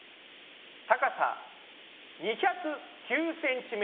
高さ２０９ｃｍ。